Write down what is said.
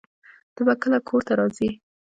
ته به کله کور ته راځې؟